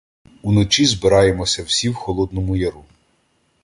Уночі збираємося всі в Холодному Яру.